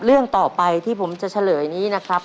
เรื่องต่อไปที่ผมจะเฉลยนี้นะครับ